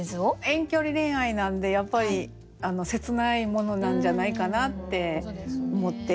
遠距離恋愛なんでやっぱり切ないものなんじゃないかなって思って。